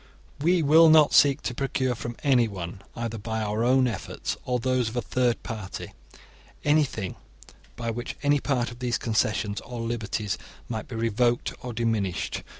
* We will not seek to procure from anyone, either by our own efforts or those of a third party, anything by which any part of these concessions or liberties might be revoked or diminished.